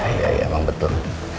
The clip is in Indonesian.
ya ya ya emang betul